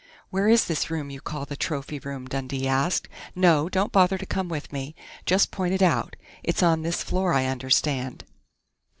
"Where is this room you call the trophy room?" Dundee asked. "No, don't bother to come with me. Just point it out. It's on this floor, I understand."